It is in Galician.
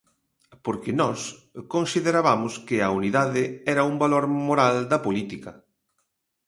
Porque nós considerabamos que a unidade era un valor moral da política.